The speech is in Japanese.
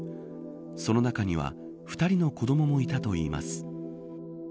その中には２人の子どももいたといいます。